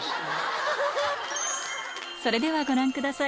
それではご覧ください